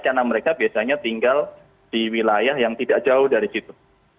karena mereka biasanya tinggal di wilayah yang tidak jauh dari situ